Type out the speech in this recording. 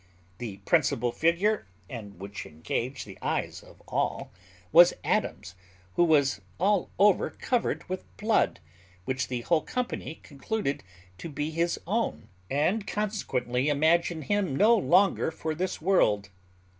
The principal figure, and which engaged the eyes of all, was Adams, who was all over covered with blood, which the whole company concluded to be his own, and consequently imagined him no longer for this world.